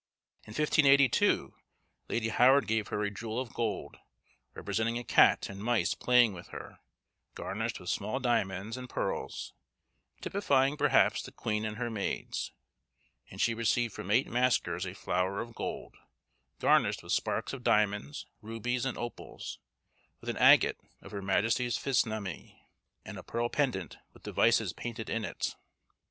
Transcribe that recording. In 1582, Lady Howard gave her a jewel of gold, representing a cat and mice playing with her, garnished with small diamonds and pearls; typifying perhaps the queen and her maids; and she received from eight maskers a flower of gold, garnished with sparks of diamonds, rubies, and opals, with an agate of her majesty's "phisnamy," and a pearl pendant, with devices painted in it.